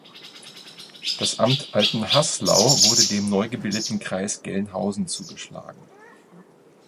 Das Amt Altenhaßlau wurde dem neu gebildeten Kreis Gelnhausen zugeschlagen.